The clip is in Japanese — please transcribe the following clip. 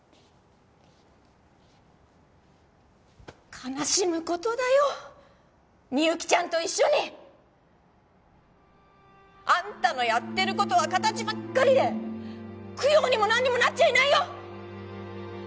悲しむことだよみゆきちゃんと一緒にあんたのやってることは形ばっかりで供養にも何にもなっちゃいないよ